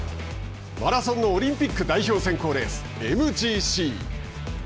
マラソンのオリンピック代表選考レース、ＭＧＣ。